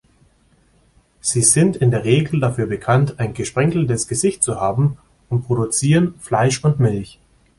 Sie sind in der Regel dafür bekannt, ein gesprenkeltes Gesicht zu haben und produzieren Fleisch und Milch.